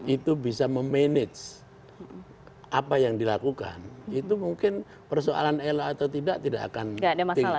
itu bisa memanage apa yang dilakukan itu mungkin persoalan elo atau tidak tidak akan tinggi